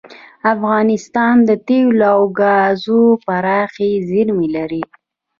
افغانستان د تیلو او ګازو پراخې زیرمې لري.